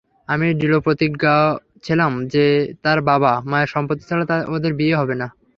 আমি দৃঢ়প্রতিজ্ঞ ছিলাম যে তার বাবা-মায়ের সম্মতি ছাড়া ওদের বিয়ে হবে না।